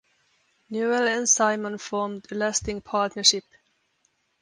Newell and Simon formed a lasting partnership.